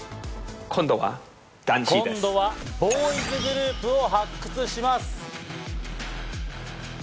今度はボーイズグループを発掘します。